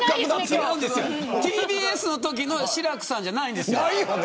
ＴＢＳのときの志らくさんじゃないんですよ。